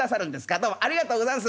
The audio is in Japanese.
どうもありがとうござんす。